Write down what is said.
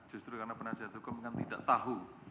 justru karena penasihat hukum kan tidak tahu